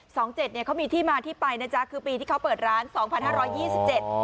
สองเจ็ดเนี้ยเขามีที่มาที่ไปนะจ๊ะคือปีที่เขาเปิดร้านสองพันห้าร้อยยี่สิบเจ็ด